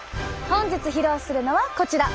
本日披露するのはこちら。